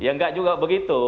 ya enggak juga begitu